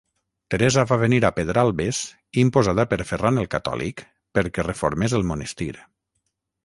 Teresa va venir a Pedralbes imposada per Ferran el Catòlic perquè reformés el monestir.